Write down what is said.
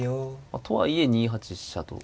とはいえ２八飛車と。